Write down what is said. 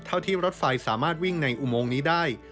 ที่รถไฟสามารถวิ่งในอุโมงนี้ได้